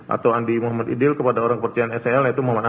atau andi muhammad idil kepada orang kepercayaan sel